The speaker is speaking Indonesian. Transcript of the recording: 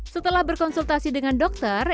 setelah berkonsultasi dengan dokter